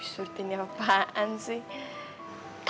surtinnya apaan sih